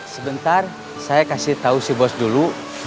sebentar saya kasih tahu si bos dulu